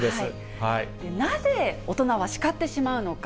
なぜ、大人は叱ってしまうのか。